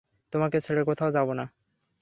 তোমাকে ছেড়ে কোথাও যাব না!